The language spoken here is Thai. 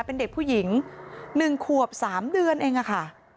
เป็นเด็กผู้หญิง๑ขวบ๓เดือนเองค่ะ